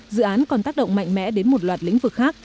dự án còn tác động mạnh mẽ đến một loạt lĩnh vực khác